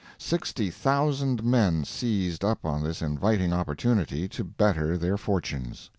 Sixty thousand men seized up on this inviting opportunity to better their fortunes.